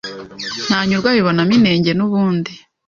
ntanyurwa abibonamo inenge nubundi